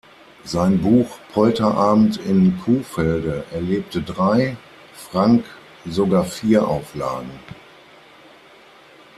Sein Buch "Polterabend in Kuhfelde" erlebte drei, "Frank" sogar vier Auflagen.